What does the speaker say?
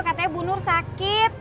katanya bu nur sakit